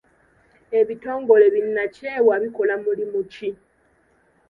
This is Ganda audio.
Ebitongole bi nnakyewa bikola mulimu ki?